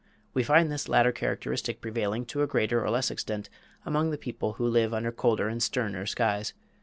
We find this latter characteristic prevailing to a greater or less extent among the people who live under colder and sterner skies.